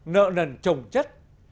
nợ nần trồng chất